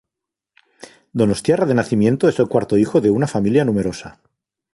Donostiarra de nacimiento es el cuarto hijo de una familia numerosa.